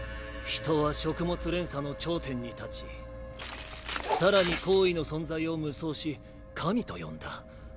人は食物連鎖の頂点に立ち更に高位の存在を夢想し神と呼んだ。